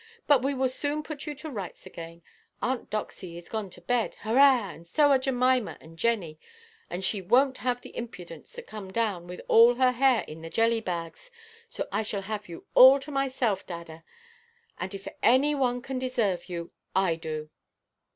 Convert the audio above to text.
But we will soon put you to rights again. Aunt Doxy is gone to bed, hurrah! and so are Jemima and Jenny. And she wonʼt have the impudence to come down, with all her hair in the jelly–bags, so I shall have you all to myself, dada; and if any one can deserve you, I do."